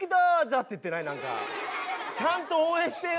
ちゃんと応援してよ。